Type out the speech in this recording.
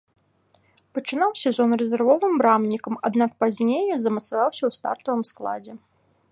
Пачынаў сезон рэзервовым брамнікам, аднак пазней замацаваўся ў стартавым складзе.